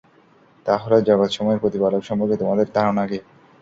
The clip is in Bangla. তা হলে জগতসমূহের প্রতিপালক সম্পর্কে তোমাদের ধারণা কি?